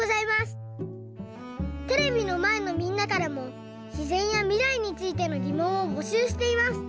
テレビのまえのみんなからもしぜんやみらいについてのぎもんをぼしゅうしています。